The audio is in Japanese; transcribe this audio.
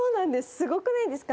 スゴくないですか？